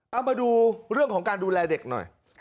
เอามาดูเรื่องของการดูแลเด็กหน่อย